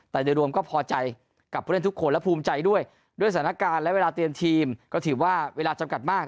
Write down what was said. แต่โดยรวมก็พอใจกับผู้เล่นทุกคนและภูมิใจด้วยด้วยสถานการณ์และเวลาเตรียมทีมก็ถือว่าเวลาจำกัดมาก